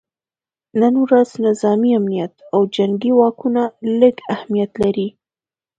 نن ورځ نظامي امنیت او جنګي واکونه لږ اهمیت لري